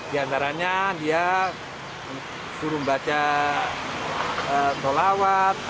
di antaranya dia suruh membaca tolawat